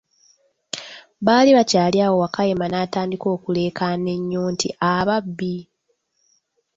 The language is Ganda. Baali bakyali awo, Wakayima n'atandika okulekaana enyo nti, ababbi!